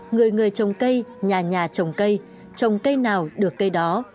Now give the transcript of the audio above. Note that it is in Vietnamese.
người người trồng cây nhà nhà trồng cây trồng cây nào được cây đó